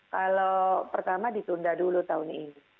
kalau pertama ditunda dulu tahun ini